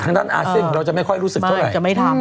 ทั้งด้านอาเซียนเราจะไม่ค่อยรู้สึกเท่าไหร่